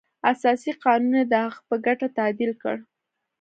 اساسي قانون یې د هغه په ګټه تعدیل کړ.